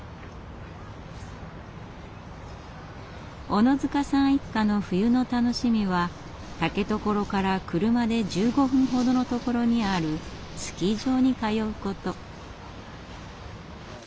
小野塚さん一家の冬の楽しみは竹所から車で１５分ほどのところにあるスキー場に通うこと。